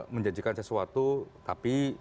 menjanjikan sesuatu tapi